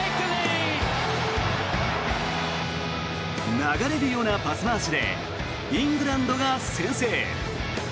流れるようなパス回しでイングランドが先制。